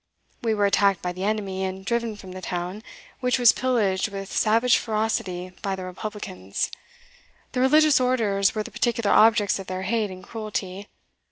We were attacked by the enemy, and driven from the town, which was pillaged with savage ferocity by the republicans. The religious orders were the particular objects of their hate and cruelty.